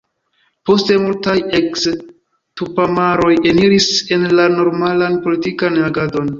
Poste multaj eks-tupamaroj eniris en la normalan politikan agadon.